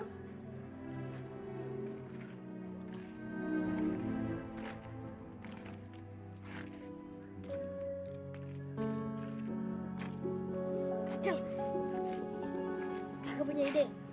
anjel kakak punya ide